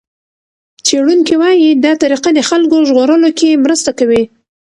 څېړونکي وايي دا طریقه د خلکو ژغورلو کې مرسته کوي.